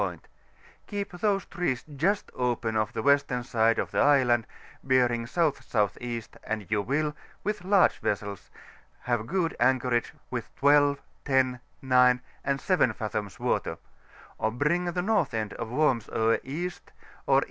point : keep these trees just open of the western side of the island, bearing S.S.E., and you will, with larse vessels, have good anchorage with 12, 10, 9, and 7 fathoms water; or bring the north end of Worms Oe East, or E.